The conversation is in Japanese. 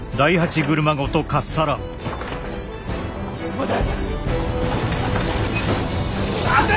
待て！